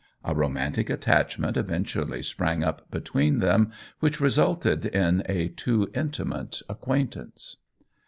A romantic attachment eventually sprang up between them, which resulted in a too intimate acquaintance.